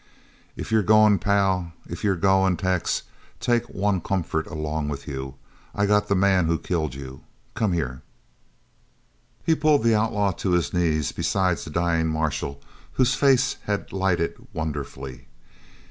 "If you're goin', pal, if you goin', Tex, take one comfort along with you! I got the man who killed you! Come here!" He pulled the outlaw to his knees beside the dying marshal whose face had lighted wonderfully.